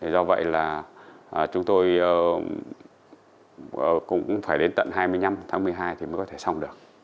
do vậy là chúng tôi cũng phải đến tận hai mươi năm tháng một mươi hai thì mới có thể xong được